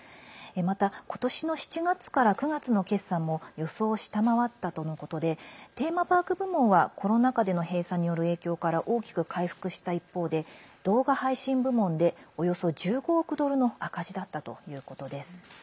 また、今年の７月から９月の決算も予想を下回ったとのことでテーマパーク部門はコロナ禍での閉鎖による影響から大きく回復した一方で動画配信部門でおよそ１５億ドルの赤字だったということです。